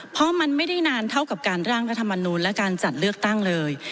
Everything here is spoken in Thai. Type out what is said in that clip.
เพราะมันไม่ได้นานเท่ากับการร่างรัฐมนูลและการจัดเลือกตั้งเลย